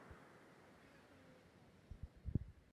সেখানে জরুরি কাজ আছে।